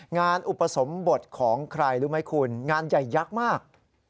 อุปสมบทของใครรู้ไหมคุณงานใหญ่ยักษ์มาก